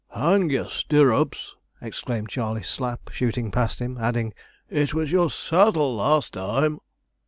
'Hang your stirrups!' exclaimed Charley Slapp, shooting past him; adding, 'It was your saddle last time.'